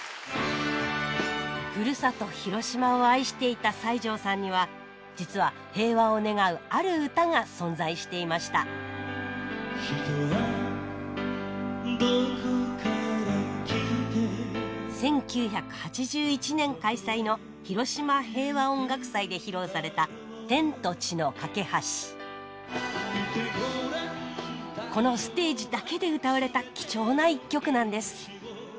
ふるさと広島を愛していた西城さんには実は平和を願うある歌が存在していました１９８１年開催の広島平和音楽祭で披露されたこのステージだけで歌われた貴重な一曲なんです。